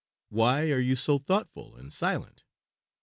Why are you so thoughtful and silent."